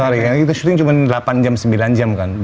karena shooting cuma delapan jam sembilan jam kan